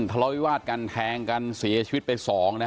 ทะเลาวิวาดกันแทงกันเสียชีวิตไป๒นะฮะ